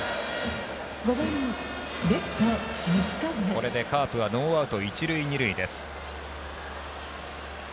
これでカープはノーアウト一塁二塁です。